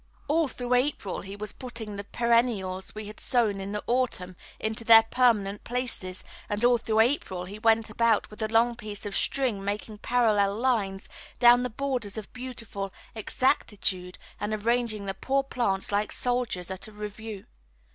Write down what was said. All through April he was putting the perennials we had sown in the autumn into their permanent places, and all through April he went about with a long piece of string making parallel lines down the borders of beautiful exactitude and arranging the poor plants like soldiers at a review.